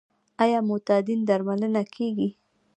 آیا معتادین درملنه کیږي؟